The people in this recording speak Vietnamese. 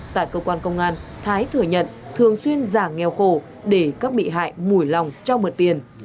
tại cơ quan công an thái thừa nhận thường xuyên giả nghèo khổ để các bị hại mùi lòng trao mật tiền